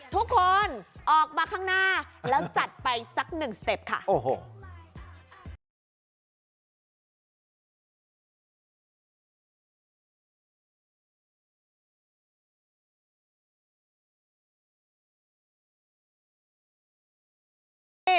ทุกคนออกมาข้างหน้าแล้วจัดไปสักหนึ่งเซ็ปค่ะ